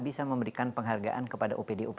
bisa memberikan penghargaan kepada opd op